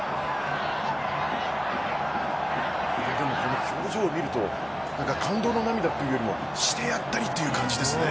この表情を見ると感動の涙というよりもしてやったりという感じですね